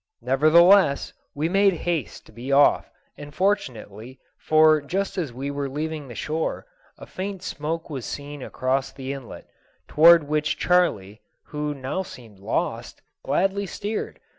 Nevertheless, we made haste to be off; and fortunately, for just as we were leaving the shore, a faint smoke was seen across the inlet, toward which Charley, who now seemed lost, gladly steered.